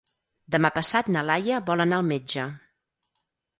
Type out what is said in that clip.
Demà passat na Laia vol anar al metge.